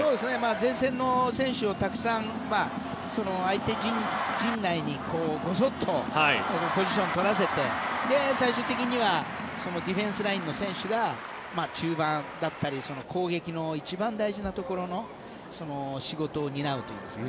前線の選手をたくさん相手陣内にごそっとポジション取らせて最終的にはディフェンスラインの選手が中盤だったり攻撃の一番大事なところの仕事を担うといいますか。